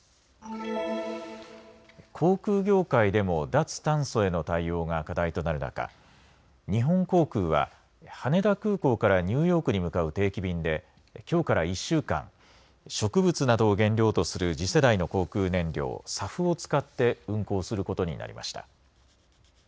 航空業界でも脱炭素への対応が課題となる中、日本航空は羽田空港からニューヨークに向かう定期便できょうから１週間、植物などを原料とする次世代の航空燃料、ＳＡＦを使って運航することになりました。